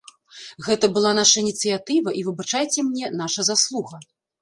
Гэта была наша ініцыятыва і, выбачайце мне, наша заслуга.